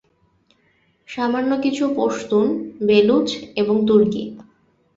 সামান্য কিছু পশতুন, বেলুচ এবং তুর্কী।